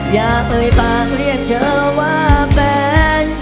อยากเลยปากเรียกเธอว่าแบน